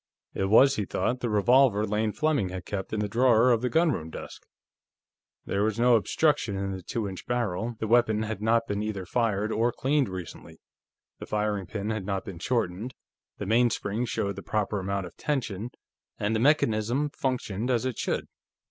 It was, he thought, the revolver Lane Fleming had kept in the drawer of the gunroom desk. There was no obstruction in the two inch barrel, the weapon had not been either fired or cleaned recently, the firing pin had not been shortened, the mainspring showed the proper amount of tension, and the mechanism functioned as it should.